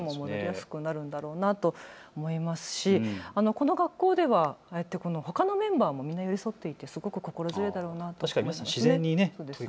この学校ではほかのメンバーも寄り添っていてすごく心強いなと思います。